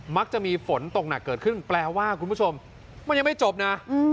มักจะมีฝนตกหนักเกิดขึ้นแปลว่าคุณผู้ชมมันยังไม่จบนะ